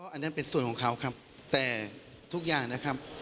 อันนั้นเป็นส่วนของเขาครับแต่ทุกอย่างนะครับ